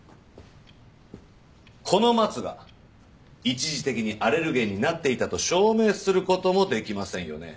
このマツが一時的にアレルゲンになっていたと証明する事もできませんよね？